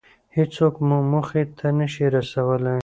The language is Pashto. هېڅوک مو موخې ته نشي رسولی.